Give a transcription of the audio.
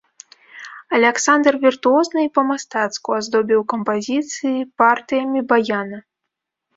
Аляксандр віртуозна і па-мастацку аздобіў кампазіцыі партыямі баяна.